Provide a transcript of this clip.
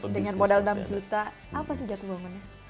dengan modal enam juta apa sih jatuh bangunnya